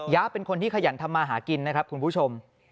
เป็นคนที่ขยันทำมาหากินนะครับคุณผู้ชม